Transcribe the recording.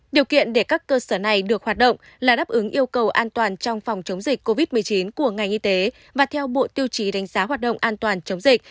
điều kiện để các cơ sở này được hoạt động là đáp ứng yêu cầu an toàn trong phòng chống dịch covid một mươi chín của ngành y tế và theo bộ tiêu chí đánh giá hoạt động an toàn chống dịch